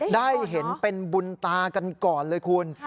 ได้เห็นเป็นบุญตากันก่อนเลยคุณ